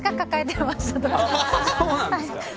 そうなんですか？